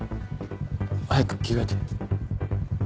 早く着替えて。